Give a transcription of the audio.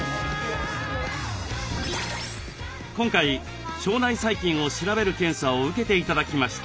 今回腸内細菌を調べる検査を受けて頂きました。